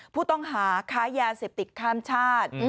ผู้ต้องหาค้ายาเสพติดข้ามชาติ